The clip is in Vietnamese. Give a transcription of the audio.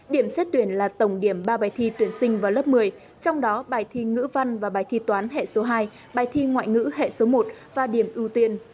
điểm xét tuyển là tổng điểm ba bài thi tuyển sinh vào lớp một mươi trong đó bài thi ngữ văn và bài thi toán hệ số hai bài thi ngoại ngữ hệ số một và điểm ưu tiên